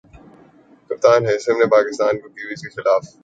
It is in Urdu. کپتان حسیم نے پاکستان کو کیویز کے خلاف برتری دلا دی